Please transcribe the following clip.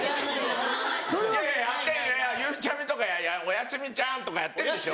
いやいやゆうちゃみとか「おやすみちゃん」とかやってんでしょ？